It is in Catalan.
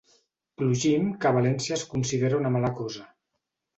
Plugim que a València es considera una mala cosa.